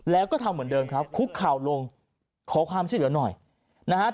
แล้วก็ทำเหมือนเดิมครับคุกเข่าลงขอความช่วยเหลือหน่อยนะฮะ